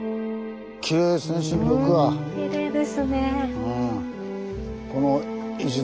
きれいですね。